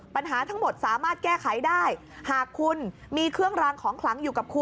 ปัญหาทั้งหมดสามารถแก้ค้ายได้หากคุณมีเครื่องรางของขลัง